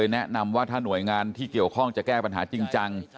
แนะนำว่าถ้าหน่วยงานที่เกี่ยวข้องจะแก้ปัญหาจริงจัง